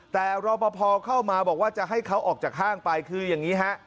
แต่รอปภเข้ามาบอกว่าจะให้เขาออกจากห้างไปคืออย่างนี้ฮะ